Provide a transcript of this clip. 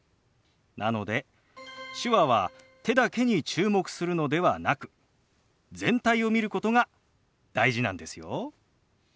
なので手話は手だけに注目するのではなく全体を見ることが大事なんですよ。